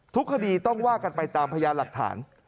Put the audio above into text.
ทุกคดีต้องว่ากันไปตามพยานหลักฐาน